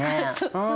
うん。